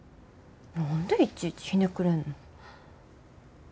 何でいちいちひねくれんの。